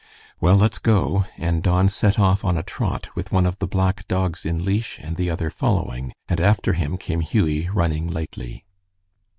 "Well, let's go," and Don set off on a trot, with one of the black dogs in leash and the other following, and after him came Hughie running lightly.